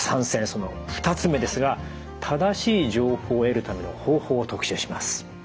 その２つ目ですが正しい情報を得るための方法を特集します。